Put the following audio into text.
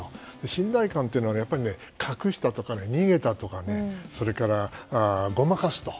信頼感というのは隠したとか逃げたとかそれからごまかすと。